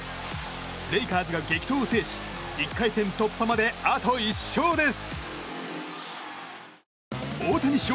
レイカーズが激闘を制し１回戦突破まであと１勝です。